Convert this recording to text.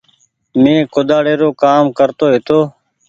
مينٚ ڪوۮاڙي رو ڪآم ڪرتو هيتو